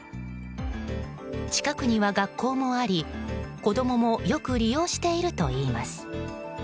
近くには学校もあり、子供もよく利用しているといいます。